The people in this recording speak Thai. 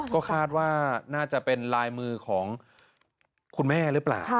ก็คาดว่าน่าจะเป็นลายมือของคุณแม่หรือเปล่า